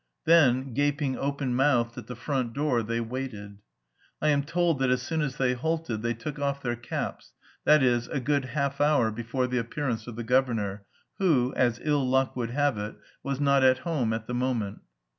Then, gaping open mouthed at the front door, they waited. I am told that as soon as they halted they took off their caps, that is, a good half hour before the appearance of the governor, who, as ill luck would have it, was not at home at the moment.